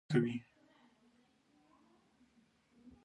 • د شپې خوب د ذهن سکون ورکوي.